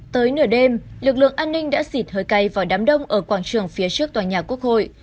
tới nửa đêm lực lượng an ninh đã xịt hơi cay vào đám đông ở quảng trường phía trước tòa nhà quốc hội